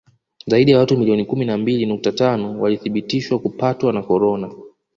Zaidi ya watu milioni kumi na mbili nukta tano walithibitishwa kupatwa na korona